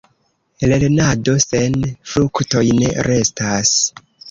Lernado sen fruktoj ne restas.